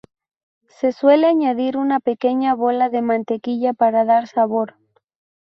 Se suele añadir una pequeña bola de mantequilla para dar sabor.